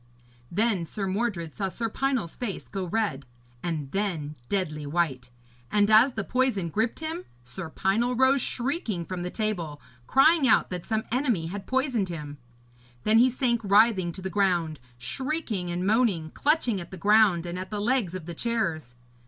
Then Sir Mordred saw Sir Pinel's face go red, and then deadly white. And as the poison gripped him, Sir Pinel rose shrieking from the table, crying out that some enemy had poisoned him. Then he sank writhing to the ground, shrieking and moaning, clutching at the ground and at the legs of the chairs.